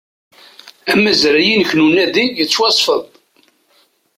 Amazray-inek n unadi yettwasfed